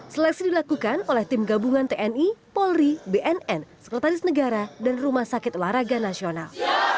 seleksi dilakukan oleh tim gabungan tni polri bnn sekretaris negara dan rumah sakit olahraga nasional